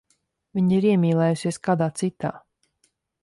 Viņa ir iemīlējusies kādā citā.